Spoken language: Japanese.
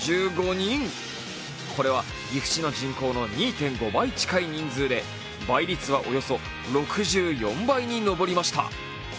これは岐阜市の人口の２．５倍近い人数で倍率はおよそ６４倍にのぼりました。